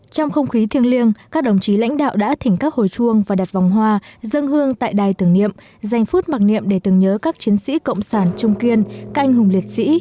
trong không khí thiêng liêng các đồng chí lãnh đạo đã thỉnh các hồi chuông và đặt vòng hoa dân hương tại đài tưởng niệm dành phút mặc niệm để tưởng nhớ các chiến sĩ cộng sản trung kiên canh hùng liệt sĩ